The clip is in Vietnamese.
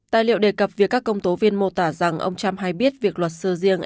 tài liệu đề cập việc các công tố viên mô tả rằng ông trump hay biết việc luật sư riêng